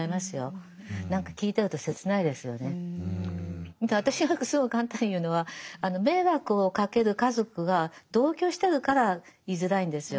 私なんかすごい簡単に言うのは迷惑をかける家族が同居してるから居づらいんですよ。